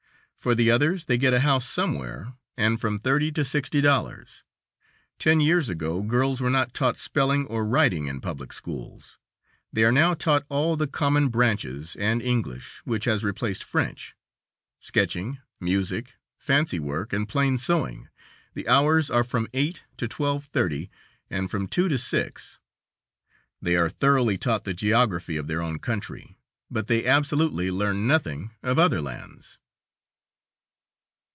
For the others they get a house somewhere, and from thirty to sixty dollars; ten years ago girls were not taught spelling or writing in public schools; they are now taught all the common branches and English, which has replaced French; sketching, music, fancy work, and plain sewing; the hours are from 8 to 12.30, and from 2 to 6; they are thoroughly taught the geography of their own country, but they absolutely learn nothing of other lands.